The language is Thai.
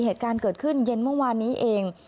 เหตุการณ์เกิดขึ้นเย็นเมื่อวานนี้เอง